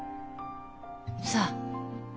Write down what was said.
さあ。